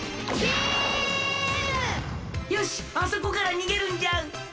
よしあそこからにげるんじゃ！